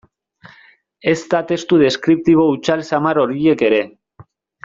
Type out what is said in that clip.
Ezta testu deskriptibo hutsal samar horiek ere.